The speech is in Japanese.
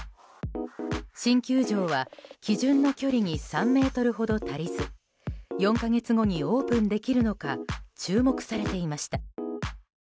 新球場は基準の距離に３ｍほど足りず４か月後にオープンできるのか注目されていました。